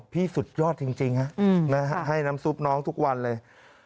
สุดยอดจริงให้น้ำซุปน้องทุกวันเลย